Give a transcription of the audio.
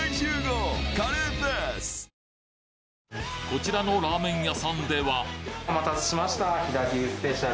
こちらのラーメン屋さんではお待たせしました。